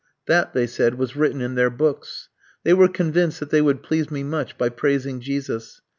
That, they said, was written in their books. They were convinced that they would please me much by praising Jesus.